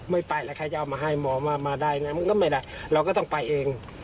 ไม่ไปแล้วใครจะเอามาให้มองว่ามาได้นะมันก็ไม่ได้เราก็ต้องไปเอง